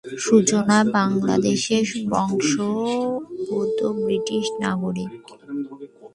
সুজানা বাংলাদেশ বংশোদ্ভূত ব্রিটিশ নাগরিক।